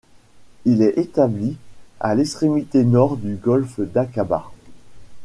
Il est établi à l'extrémité nord du golfe d'Aqaba.